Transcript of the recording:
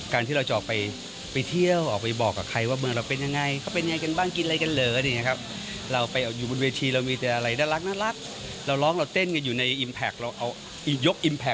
ที่เราจะออกไปเที่ยวออกไปบอกกับใครว่าเมืองเราเป็นยังไงเขาเป็นยังไงกันบ้างกินอะไรกันเหรออะไรอย่างนี้ครับ